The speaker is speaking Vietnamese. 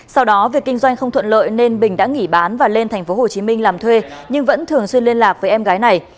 sau đó việc kinh doanh không thuận lợi nên bình đã nghỉ bán và lên tp hcm làm thuê nhưng vẫn thường xuyên liên lạc với em gái này